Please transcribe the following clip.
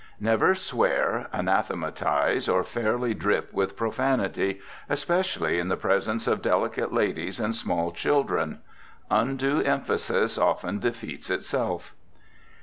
Never swear, anathematize, or fairly drip with profanity, especially in the presence of delicate ladies and small children. Undue emphasis often defeats itself.